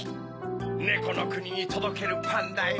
ねこのくににとどけるパンだよ。